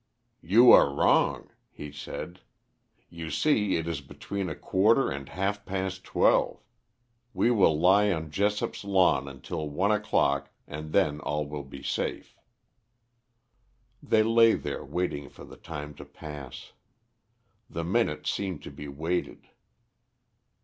"You are wrong," he said. "You see it is between a quarter and half past twelve. We will lie on Jessop's lawn till one o'clock and then all will be safe." They lay there waiting for the time to pass. The minutes seemed to be weighted.